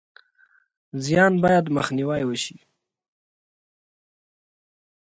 زیان باید مخنیوی شي